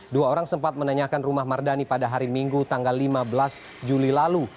dua orang sempat menanyakan rumah mardani pada hari minggu tanggal lima belas juli lalu